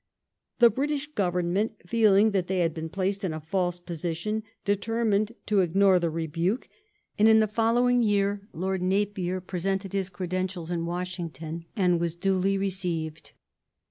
The British Government, feeling that they had been placed in a false position, deter* mined to ignore the rebuke, and in the following year Lord Napier presented his credentials at Washing* ton, and was duly received.